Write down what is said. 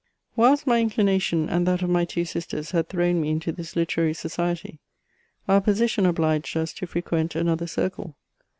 Whilst my inclination and that of my two sisters had thrown me into this literary society, our position obliged us to frequent another circle.